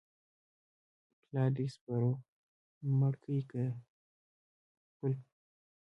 پلار دي سپرو مړ کى که پل؟